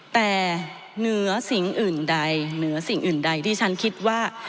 แต่เหนือสิ่งอื่นใดที่ฉันคิดว่า